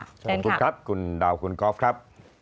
ขอบคุณครับคุณดาวคุณกอล์ฟครับ